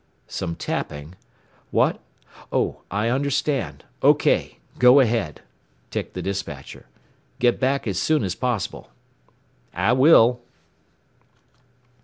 "Some tapping? What Oh, I understand. OK! Go ahead," ticked the despatcher. "Get back as soon as possible." "I will."